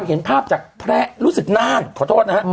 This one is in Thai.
เห็นภาพจากแพรร์รู้สึกนาด